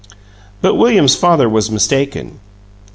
But William's father was mistaken.